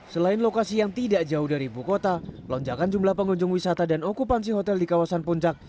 selain lokasi yang tidak jauh dari ibu kota lonjakan jumlah pengunjung wisata dan okupansi hotel di kawasan puncak